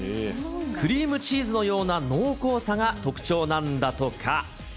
クリームチーズのような濃厚さが特徴なんだとか。